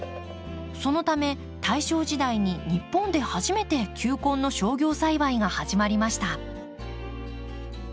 そのため大正時代に日本で初めて球根の商業栽培が始まりました。